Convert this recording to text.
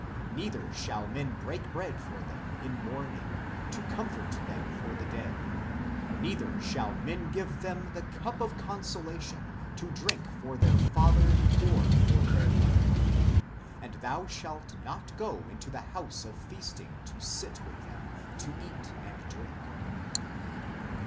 ... neither shall men break bread for them in mourning, to comfort them for the dead : neither shall men give them the cup of consolation to drink for their father or for their mother. And thou shalt not go into the house of feasting to sit with them, to eat and drink."